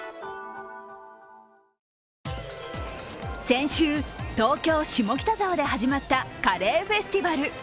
先週、東京・下北沢で始まったカレーフェスティバル。